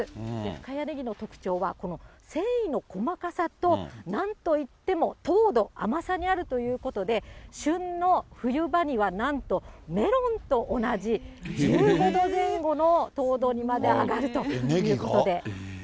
深谷ねぎの特徴は、この繊維の細かさと、なんと言っても糖度、甘さがあるということで、旬の冬場には、なんとメロンと同じ１５度前後の糖度にまで上がるということで。